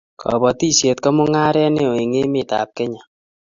Kobotisiet ko mungaret neo eng emetab Kenya